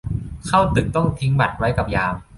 เข้าตึกก็ต้องทิ้งบัตรไว้กับยาม